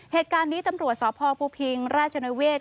เหตุการณ์นี้ตำรวจสพภูพิงราชนเวศ